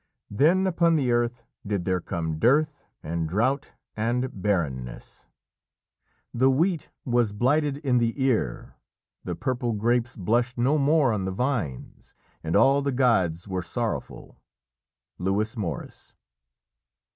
Then upon the earth did there come dearth and drought and barrenness. "The wheat Was blighted in the ear, the purple grapes Blushed no more on the vines, and all the gods Were sorrowful ..." Lewis Morris.